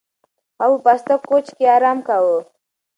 هغه په پاسته کوچ کې ارام کاوه.